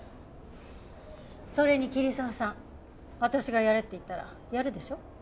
それに桐沢さん私がやれって言ったらやるでしょ？